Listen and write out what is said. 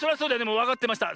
もうわかってました。